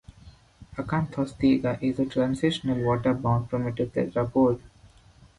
"Acanthostega" is a transitional, water-bound primitive tetrapod.